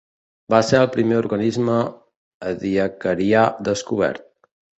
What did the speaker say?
Va ser el primer organisme ediacarià descobert.